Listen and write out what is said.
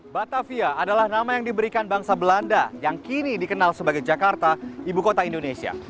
batavia adalah nama yang diberikan bangsa belanda yang kini dikenal sebagai jakarta ibu kota indonesia